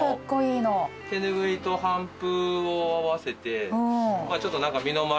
手拭いと帆布を合わせて。